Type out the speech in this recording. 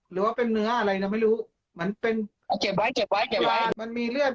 หรือว่าเป็นเนื้ออะไรนะไม่รู้เหมือนเป็นเก็บไว้เก็บไว้เก็บไว้มันมีเลือด